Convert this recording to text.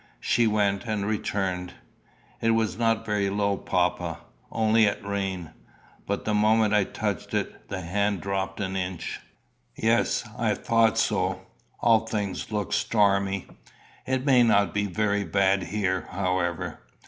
She went and returned. "It was not very low, papa only at rain; but the moment I touched it, the hand dropped an inch." "Yes, I thought so. All things look stormy. It may not be very bad here, however."